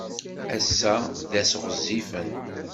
Ass-a d ass ɣezzifen.